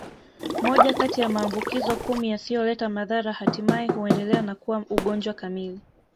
Moja kati ya maambukizo kumi yasiyoleta madhara hatimaye huendelea na kuwa ugonjwa kamili